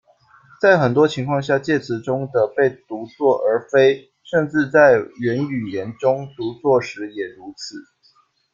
在很多情况下借词中的被读作而非，甚至在源语言中读作时也如此。